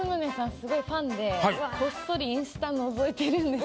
すごいファンでこっそりインスタのぞいてるんです。